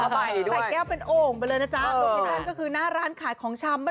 ใส่แก้วเป็นโอ่งไปเลยนะจ๊ะโลเคชั่นก็คือหน้าร้านขายของชำ